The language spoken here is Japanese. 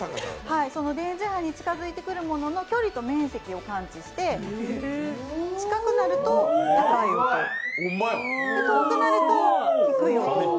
その電磁波に近づいてくるものの距離と面積を感知して近くなると高い音、遠くなると低い音。